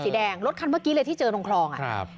แดงรถคันเมื่อกี้เลยที่เจอตรงคลองอ่ะครับ